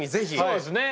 そうですね！